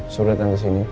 sudah datang kesini